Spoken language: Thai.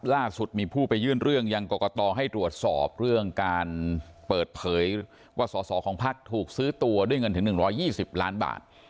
ล่าสุดมีผู้ไปยื่นเรื่องยังกรกตให้ตรวจสอบเรื่องการเปิดเผยว่าสอสอของพักถูกซื้อตัวด้วยเงินถึง๑๒๐ล้านบาท